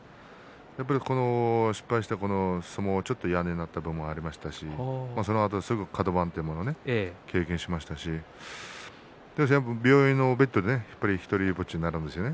失敗して相撲が嫌になったところもありましたしそのあとすぐカド番を経験しましたし病院のベッドでひとりぼっちになるんですよね。